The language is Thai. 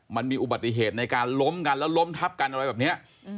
มันมีอุบัติเหตุในการล้มกันแล้วล้มทับกันอะไรแบบนี้